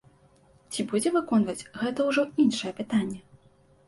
Ці будзе выконваць, гэта ўжо іншае пытанне.